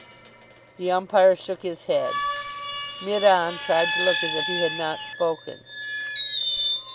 The umpire shook his head. Mid on tried to look as if he had not spoken.